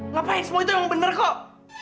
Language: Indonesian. ngapain semua itu yang benar kok